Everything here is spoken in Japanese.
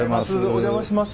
お邪魔します。